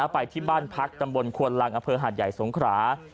ไปที่บ้านพักตำบลควนลังอำเภอหาดใหญ่สงขรา